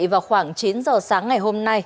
vào khoảng chín giờ sáng ngày hôm nay